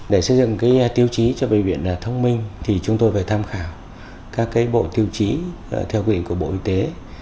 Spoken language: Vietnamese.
để xây dựng tiêu chí cho bệnh viện thông minh thì chúng tôi phải tham khảo các bộ tiêu chí theo quy định của bộ y tế